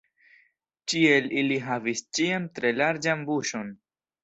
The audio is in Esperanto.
Ĉiel ili havis ĉiam tre larĝan buŝon.